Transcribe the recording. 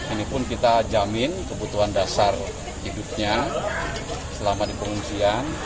ini pun kita jamin kebutuhan dasar hidupnya selama di pengungsian